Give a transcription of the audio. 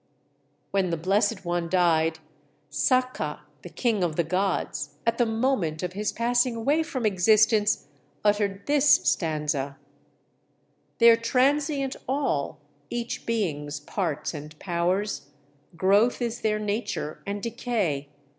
When the Blessed One died, Sakka, the king of the gods, at the moment of his passing away from existence, uttered this stanza: "They're transient all, each being's parts and powers, Growth is their nature, and decay.